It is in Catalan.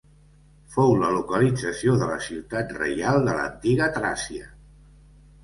Fou la localització de la ciutat reial de l'antiga Tràcia.